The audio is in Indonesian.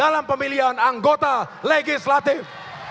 dalam pemilihan anggota legislatif